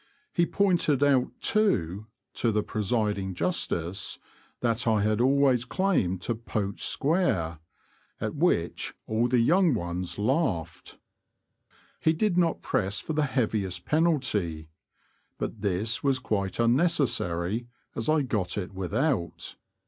He pointed out, too, to the presiding Justice that I always claimed to '' poach square" — at which all the young ones laughed. He did not press for the heaviest penalty. But this was quite unnecessary, as I got it without.